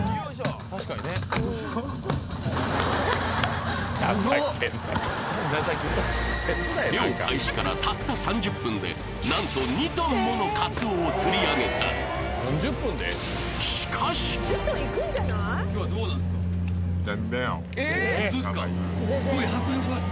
確かにねおおっ漁開始からたった３０分で何と２トンものカツオを釣り上げたそうすか！？